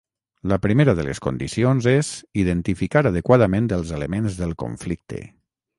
La primera de les condicions és identificar adequadament els elements del conflicte.